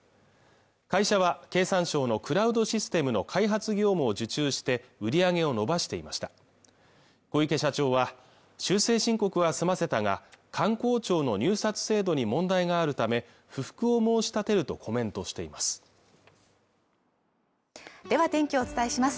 会社は経産省のクラウドシステムの開発業務を受注して売り上げを伸ばしていました小池社長は修正申告は済ませたが官公庁の入札制度に問題があるため不服を申し立てるとコメントしていますでは天気をお伝えします